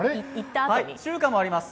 中華もあります。